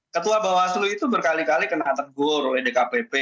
ketua bawaslu itu berkali kali kena tegur oleh dkpp